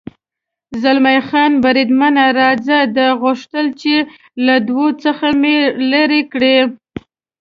زلمی خان: بریدمنه، راځه، ده غوښتل چې له دوی څخه مې لرې کړي.